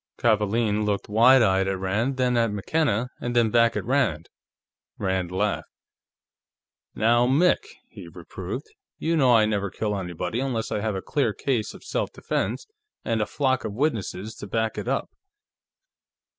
Kavaalen looked wide eyed at Rand, then at McKenna, and then back at Rand. Rand laughed. "Now, Mick!" he reproved. "You know I never kill anybody unless I have a clear case of self defense, and a flock of witnesses to back it up."